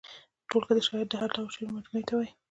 ټولګه د شاعر د هر ډول شعرو مجموعې ته وايي.